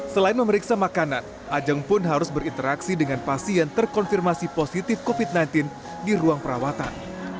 selain memeriksa makanan ajeng pun harus berinteraksi dengan pasien terkonfirmasi positif covid sembilan belas di ruang perawatan